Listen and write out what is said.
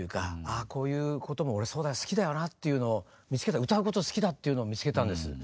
あこういうことも俺そうだよ好きだよなっていうのを見つけた歌うこと好きだっていうのを見つけたんです。